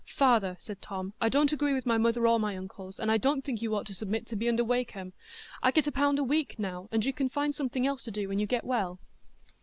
"Father," said Tom, "I don't agree with my mother or my uncles, and I don't think you ought to submit to be under Wakem. I get a pound a week now, and you can find something else to do when you get well."